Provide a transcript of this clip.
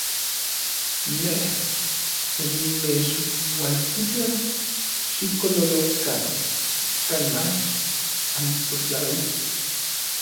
Nej onimechualtitlan xikololokan kan mach ansotlauikej.